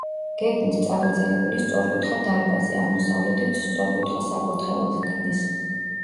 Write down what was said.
გეგმით წაგრძელებული სწორკუთხა დარბაზი, აღმოსავლეთით სწორკუთხა საკურთხეველს ჰქმნის.